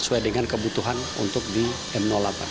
sesuai dengan kebutuhan untuk di m delapan